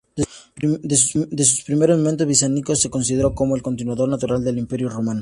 Desde sus primeros momentos, Bizancio se consideró como el continuador natural del Imperio Romano.